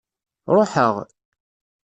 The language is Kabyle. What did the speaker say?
Ṛuḥeɣ.